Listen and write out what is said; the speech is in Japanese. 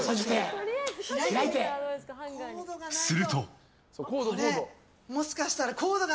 すると。